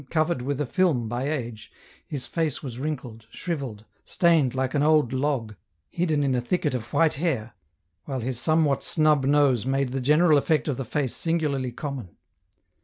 covered with a film by age, his face was 172 EN ROUTE. wrinkled, shrivelled, stained like an old log, hidden in a thicket of white hair, while his somewhat snub nose made the general effect of the face singularly common.